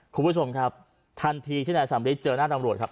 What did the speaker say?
คุณผู้ชมครับทันทีที่นายสำริทเจอหน้าตำรวจครับ